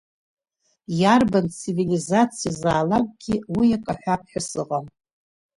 Иарбан цивилизациазаалакгьы уи акы ахәап ҳәа сыҟам.